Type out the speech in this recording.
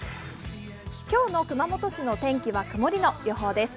今日の熊本市の天気は曇りの予報です。